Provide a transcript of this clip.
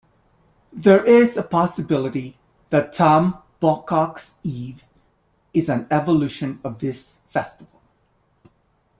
There is a possibility that Tom Bawcock's Eve is an evolution of this festival.